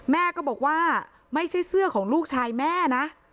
แม่ก็บอกว่าไม่ใช่เสื้อของลูกชายแม่นะ